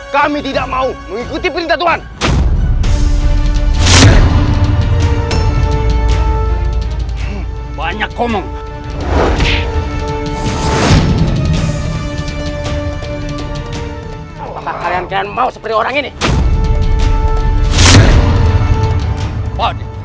kami tidak mau membangun istana untuk mending layak ini adalah keadaan yang tidak bisa diberikan kepada kita